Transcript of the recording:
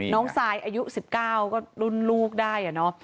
น้องซายอายุสิบเก้ารุ่นลูกได้อ่ะเนอะ